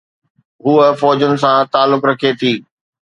هوءَ فوجن سان تعلق رکي ٿي.